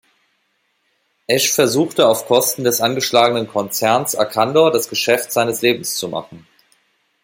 Esch versuchte, auf Kosten des angeschlagenen Konzerns Arcandor das „Geschäft seines Lebens“ zu machen.